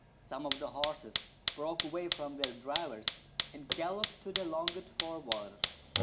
Some of the horses broke away from their drivers, and galloped to the longed for water.